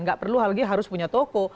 nggak perlu halgi harus punya toko